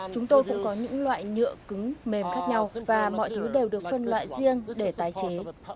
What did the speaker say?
chúng tôi cũng có những loại nhựa cứng mềm khác nhau và mọi thứ đều được phân loại riêng để tái chế